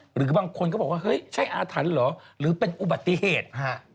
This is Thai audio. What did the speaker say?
หรือบางคนก็บอกว่าเฮ้ยใช่อาถรรพ์เหรอหรือเป็นอุบัติเหตุ